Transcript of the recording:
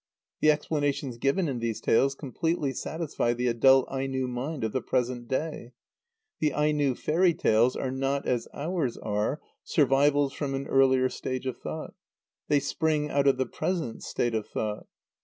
The explanations given in these tales completely satisfy the adult Aino mind of the present day. The Aino fairy tales are not, as ours are, survivals from an earlier stage of thought. They spring out of the present state of thought.